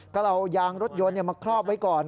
ก็เอายางรถยนต์มาครอบไว้ก่อน